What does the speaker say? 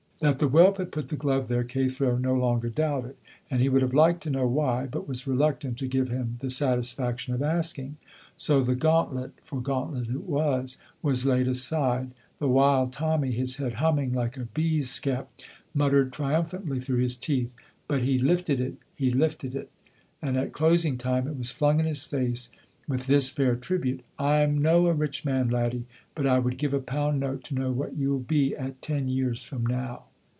That the whelp had put the glove there, Cathro no longer doubted, and he would have liked to know why, but was reluctant to give him the satisfaction of asking. So the gauntlet for gauntlet it was was laid aside, the while Tommy, his head humming like a beeskep, muttered triumphantly through his teeth, "But he lifted it, he lifted it!" and at closing time it was flung in his face with this fair tribute: "I'm no a rich man, laddie, but I would give a pound note to know what you'll be at ten years from now."